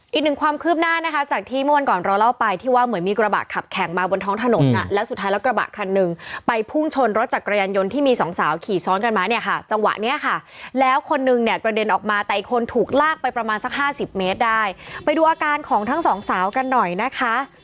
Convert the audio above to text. อีกหนึ่งความคืบหน้านะคะจากที่เมื่อวันก่อนเราเล่าไปที่ว่าเหมือนมีกระบะขับแข่งมาบนท้องถนนอ่ะแล้วสุดท้ายแล้วกระบะคันหนึ่งไปพุ่งชนรถจักรยานยนต์ที่มีสองสาวขี่ซ้อนกันมาเนี่ยค่ะจังหวะเนี้ยค่ะแล้วคนนึงเนี่ยกระเด็นออกมาแต่อีกคนถูกลากไปประมาณสักห้าสิบเมตรได้ไปดูอาการของทั้งสองสาวกันหน่อยนะคะ